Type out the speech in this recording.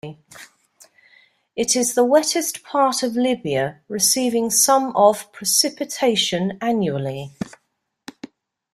It is the wettest part of Libya, receiving some of precipitation annually.